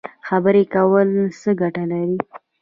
خبرې کول څه ګټه لري؟